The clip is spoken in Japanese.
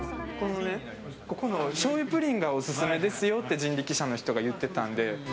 ここの醤油プリンがオススメですよって人力車の人が言ってたんで。